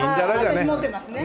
ああ私持ってますね。